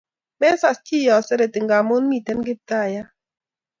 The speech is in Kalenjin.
Mesas chi yan sereti ngamun miten kiptayat